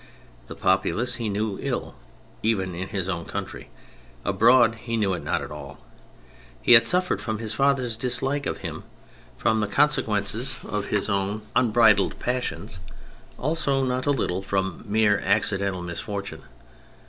The populace he knew ill even in his own country; abroad he knew it not at all. He had suffered from his father's dislike of him, from the consequence of his own un i THE CHARACTERS 57 bridled passions, also not a little from mere accidental misfortune.